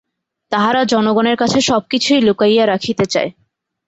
তাহারা জনগণের কাছে সব কিছুই লুকাইয়া রাখিতে চায়।